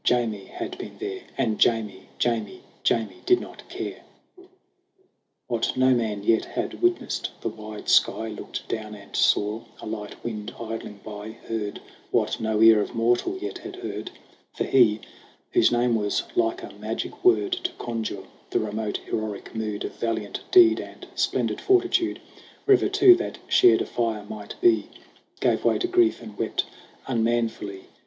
Jamie had been there; And Jamie Jamie Jamie did not care ! What no man yet had witnessed, the wide sky Looked down and saw ; a light wind idling by Heard what no ear of mortal yet had heard : For he whose name was like a magic word To conjure the remote heroic mood Of valiant deed and splendid fortitude, Wherever two that shared a fire might be, Gave way to grief and wept unmanfully.